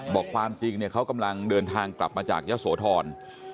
บอกความจริงเนี่ยเขากำลังเริ่มเดินทางกลับมาจากเยาะโสถอน